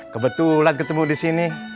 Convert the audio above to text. kebetulan ketemu disini